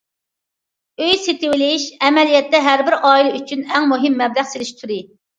ئۆي سېتىۋېلىش، ئەمەلىيەتتە، ھەر بىر ئائىلە ئۈچۈن ئەڭ مۇھىم مەبلەغ سېلىش تۈرى.